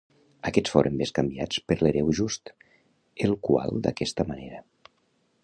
Aquests foren bescanviats per l'Hereu Just, el qual d'aquesta manera.